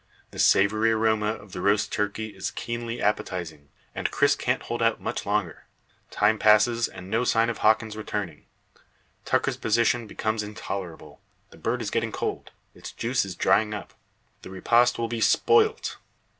The savoury aroma of the roast turkey is keenly appetising, and Cris can't hold out much longer. Time passes, and no sign of Hawkins returning. Tucker's position becomes intolerable; the bird is getting cold, its juices drying up, the repast will be spoilt.